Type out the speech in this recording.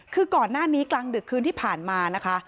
คือก่อนหน้านี้กลางดึกคืนที่ผ่านมานะคะ